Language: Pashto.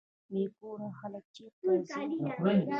بې کوره خلک چیرته ځي؟